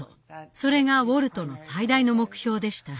それがウォルトの最大の目標でした。